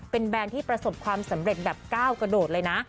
เป็นแบรนด์ที่ประสบความสำเร็จแบบก้าวกระโดดเลยนะ